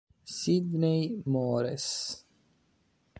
Sidney Moraes